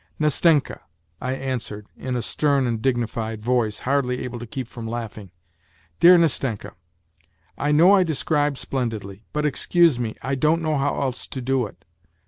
" Nastenka," I answered in a stern and dignified voice, hardly able to keep from laughing, " dear Nastenka, Ikiiow I describe , splendidly, but, excuse me, I don't know how eLsu to du it.